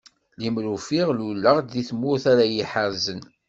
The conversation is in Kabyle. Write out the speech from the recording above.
Limer ufiɣ luleɣ-d deg tmurt ara yi-ḥerzen.